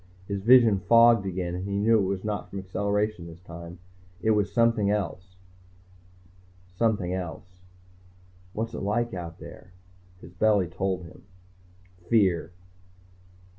His vision fogged again, and he knew it was not from acceleration this time, it was something else. Something else. What's it like out there? His belly told him. Fear.